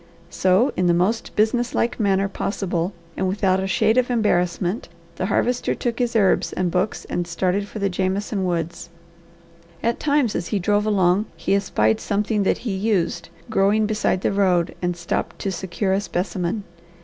So, in the most business like manner possible and without a shade of embarrassment, the Harvester took his herbs and books and started for the Jameson woods. At times as he drove along he espied something that he used growing beside the road and stopped to secure a specimen.